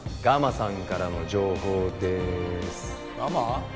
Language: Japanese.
ガマさんからの情報ですガマ？